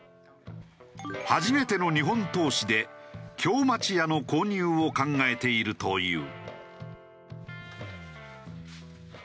初めての日本投資で京町家の購入を考えているという。